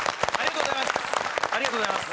ありがとうございます。